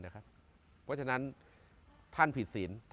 เพราะฉะนั้นท่านผิดศีล